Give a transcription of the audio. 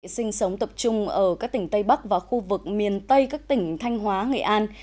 sinh sống tập trung ở các tỉnh tây bắc và khu vực miền tây các tỉnh thanh hóa nghệ an